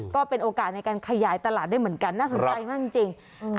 ก็เป็นโอกาสขยายในตลาดได้เหมือนกันน่าสนใจหรือไม่จริง